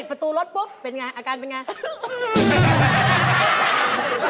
พอปิดประตูรถปุ๊บเป็นอย่างไรอาการเป็นอย่างไร